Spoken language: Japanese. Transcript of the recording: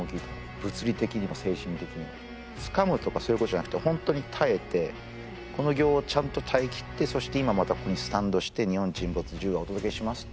物理的にも精神的にもつかむとかそういうことじゃなくてホントに耐えてちゃんと耐えきってそして今またここにスタンドして「日本沈没」１０話お届けしますって